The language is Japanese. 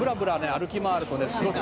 歩き回るとねすごく」